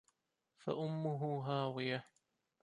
فَأُمُّهُ هاوِيَةٌ